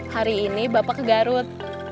hari ini bapak ke garut